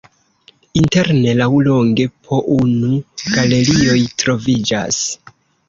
Interne laŭlonge po unu galerioj troviĝas.